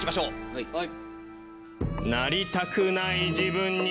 はい。